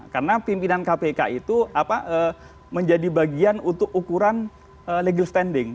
karena pimpinan kpk itu menjadi bagian untuk ukuran legal standing